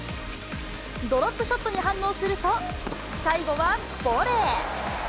ドロップショットに反応すると、最後はボレー。